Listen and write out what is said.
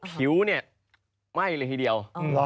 ผิวเนี่ยไหม้เลยทีเดียว